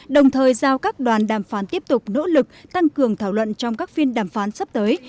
đồng thời giao các đoàn đàm phán tiếp tục nỗ lực tăng cường thảo luận trong các phiên đàm phán sắp tới